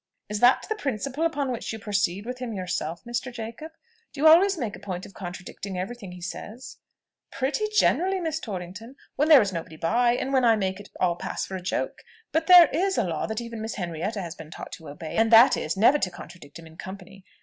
"Is that the principle upon which you proceed with him yourself, Mr. Jacob? Do you always make a point of contradicting every thing he says?" "Pretty generally, Miss Torrington, when there is nobody by, and when I make it all pass for joke. But there is a law that even Miss Henrietta has been taught to obey; and that is, never to contradict him in company.